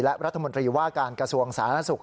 และรัฐมนตรีว่าการกระทรวงสาธารณสุข